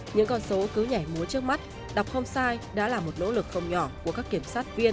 những con số cứ nhảy múa trước mắt đọc không sai đã là một nỗ lực không nhỏ của các kiểm sát viên